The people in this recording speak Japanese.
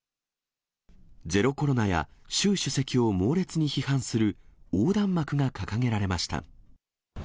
ゼロコロナや習主席を猛烈に批判する横断幕が掲げられました。